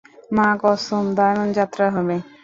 মা কসম, দারুণ যাত্রা হবে।